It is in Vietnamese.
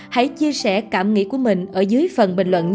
hãy chia sẻ cảm nghĩ của mình ở dưới phần bình luận